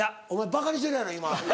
ばかにしてるやろ今。